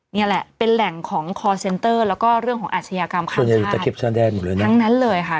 เนี้ยแหละเป็นแหล่งของคอร์เซ็นเตอร์แล้วก็เรื่องของอาชญากรรมความชาติทั้งนั้นเลยค่ะ